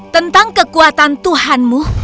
tentang kekuatan tuhanmu